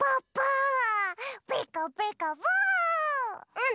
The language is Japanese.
うん！